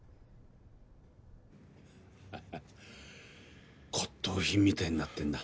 ハハッ骨董品みたいになってんな。